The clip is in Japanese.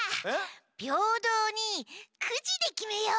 びょうどうにくじできめよう。